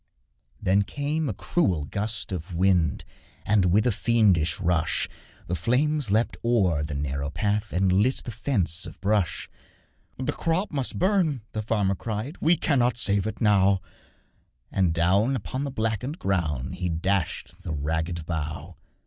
Then came a cruel gust of wind, And, with a fiendish rush, The flames leapt o'er the narrow path And lit the fence of brush. 'The crop must burn!' the farmer cried, 'We cannot save it now,' And down upon the blackened ground He dashed the ragged bough.